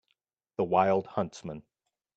The wild huntsman